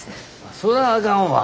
そらあかんわ。